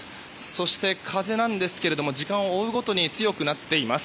そして、風なんですが時間を追うごとに強くなっています。